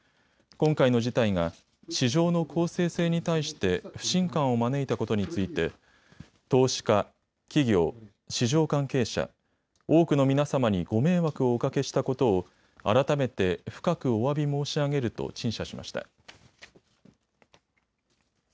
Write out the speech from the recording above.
今回の事態が市場の公正性に対して不信感を招いたことについて投資家、企業、市場関係者、多くの皆様にご迷惑をおかけしたことを改めて深くおわび申し上げると陳謝しました。